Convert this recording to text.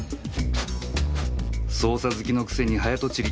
捜査好きのくせに早とちり